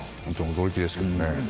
驚きですけどね。